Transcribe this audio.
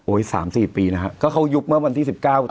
โอ้ยสามสี่ปีนะครับก็เขายุบเมื่อวันที่สิบเก้า